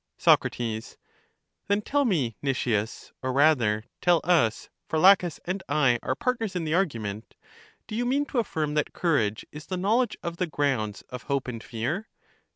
Soc, Then tell me, Nicias, or rather tell us, for Laches and I are partners in the argument: Do you mean to affirm that courage is the knowledge of the grounds of hope and fear?